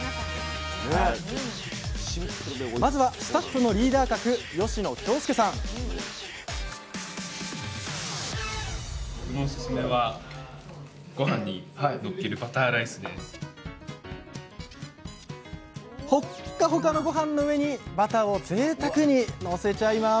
まずはスタッフのリーダー格ほっかほかのごはんの上にバターをぜいたくにのせちゃいます